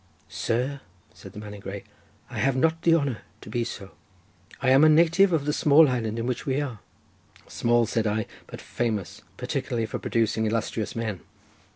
"Sir," said the man in grey, "I have not the honour to be so. I am a native of the small island in which we are." "Small," said I, "but famous, particularly for producing illustrious men."